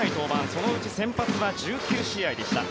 そのうち先発は１９試合でした。